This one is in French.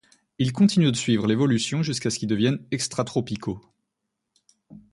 Il continue de suivre l'évolution jusqu'à ce qu'ils deviennent extratropicaux.